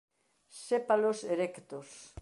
Sépalos erectos.